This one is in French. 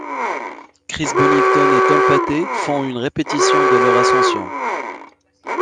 Chris Bonington et Tom Patey font une répétition de leur ascension.